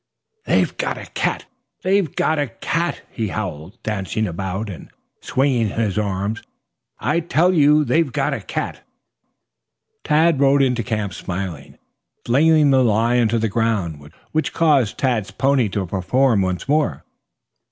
"They've got a cat! They've got a cat!" he howled, dancing about and swinging his arms. "I tell you, they've got a cat!" Tad rode into camp smiling, flinging the lion to the ground, which caused Tad's pony to perform once more.